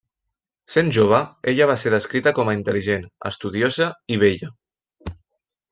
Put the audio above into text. Sent jove, ella va ser descrita com a intel·ligent, estudiosa, i bella.